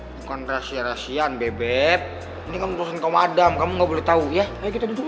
bukan rasian rasian bebep ini kan urusan kaum adam kamu gak boleh tau ya ayo kita duduk